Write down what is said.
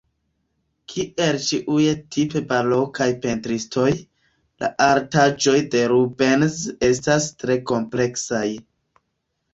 Kiel ĉiuj tipe barokaj pentristoj, la artaĵoj de Rubens estas tre kompleksaj.